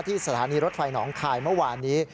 สถานีรถไฟหนองคายเมื่อวานนี้